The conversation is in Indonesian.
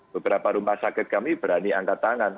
beberapa rumah sakit kami berani angkat tangan